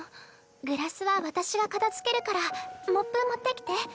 グラスは私が片づけるからモップ持ってきて。